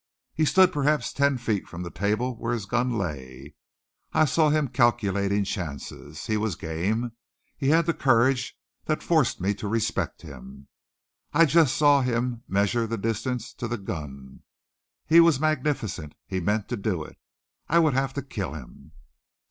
He stood perhaps ten feet from the table where his gun lay. I saw him calculating chances. He was game. He had the courage that forced me to respect him. I just saw him measure the distance to that gun. He was magnificent. He meant to do it. I would have to kill him.